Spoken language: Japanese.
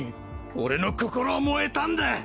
俺の心は燃えたんだ